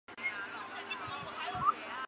印度薹草为莎草科薹草属的植物。